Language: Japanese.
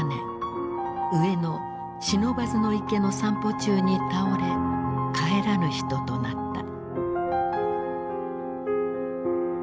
上野・不忍池の散歩中に倒れ帰らぬ人となった。